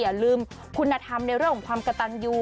อย่าลืมคุณธรรมในเรื่องของความกระตันยู